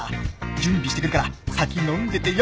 準備してくるから先飲んでてよ！